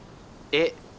えっ？